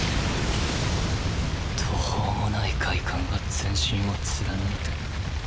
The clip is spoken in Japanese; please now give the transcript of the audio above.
途方もない快感が全身を貫いた。